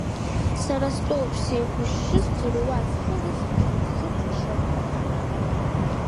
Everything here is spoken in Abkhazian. Сара стәоуп, сеиқәшьшьы сӡырҩуа, схы рыцҳашьо, схы ԥхашьо, …